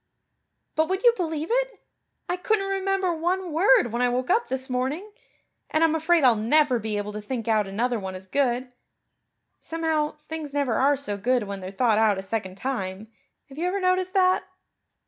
But would you believe it? I couldn't remember one word when I woke up this morning. And I'm afraid I'll never be able to think out another one as good. Somehow, things never are so good when they're thought out a second time. Have you ever noticed that?"